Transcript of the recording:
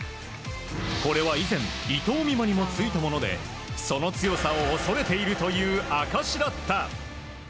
これは依然伊藤美誠にもついたものでその強さを恐れているという証しだった。